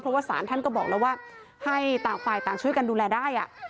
เพราะว่าสารท่านก็บอกแล้วว่าให้ต่างฝ่ายต่างช่วยกันดูแลได้